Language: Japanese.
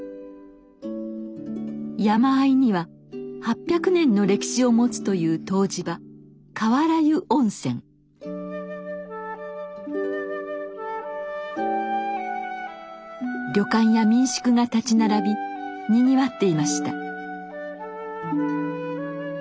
山あいには８００年の歴史を持つという湯治場旅館や民宿が立ち並びにぎわっていました。